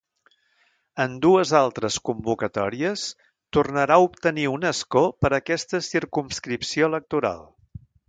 En dues altres convocatòries tornarà a obtenir un escó per aquesta circumscripció electoral.